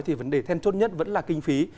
thì vấn đề then chốt nhất vẫn là kinh phí